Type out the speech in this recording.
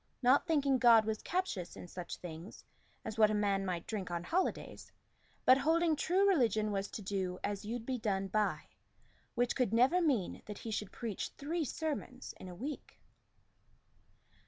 Not thinking God was captious in such things As what a man might drink on holidays, But holding true religion was to do As you'd be done by which could never mean That he should preach three sermons in a week.